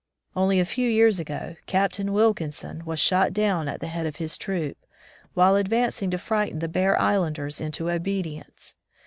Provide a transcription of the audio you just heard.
Only a few years ago. Captain Wilkinson was shot down at the head of his troop, while advancing to frighten the Bear Islanders into obedience.